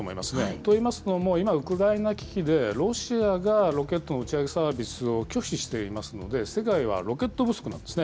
といいますのも、今ウクライナ危機で、ロシアがロケットの打ち上げサービスを拒否していますので、世界はロケット不足なんですね。